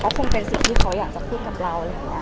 เราก็คงเป็นสิ่งที่เขาอยากจะช่วยกับเรา